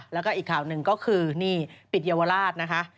แล้วก็อีกข่าวหนึ่งก็คือนี่ปิดเยาวราชนะคะ